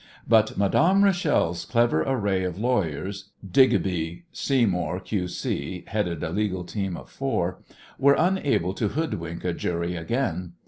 But Madame Rachel's clever array of lawyers Digby Seymour, Q.C., headed a legal team of four were unable to hoodwink a jury again.